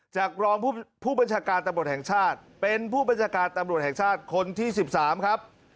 จากรองผู้บัญชาการตำรวจแห่งชาติเป็นผู้บัญชาการตำรวจแห่งชาติคนที่๑๓ครับ